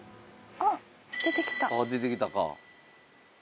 あっ出て来たか。